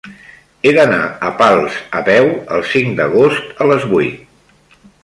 He d'anar a Pals a peu el cinc d'agost a les vuit.